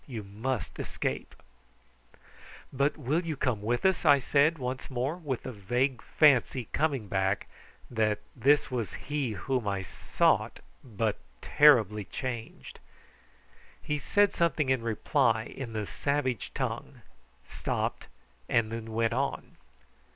You must escape." "But you will come with us?" I said once more, with the vague fancy coming back that this was he whom I sought, but terribly changed. He said something in reply in the savage tongue, stopped, and then went on.